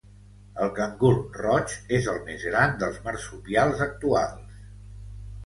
El cangur roig és el més gran dels marsupials actuals.